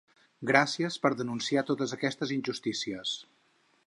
Gràcies per denunciar totes aquestes injustícies.